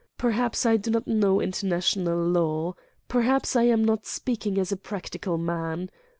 Per haps I do not know international law. Perhaps I am not speaking as a practical man.